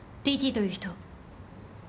Ｔ．Ｔという人。